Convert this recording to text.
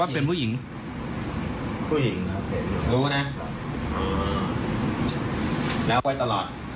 นี่มันอยู่มันก็กำหนาเลยครับ